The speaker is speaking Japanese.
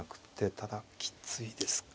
ただきついですか。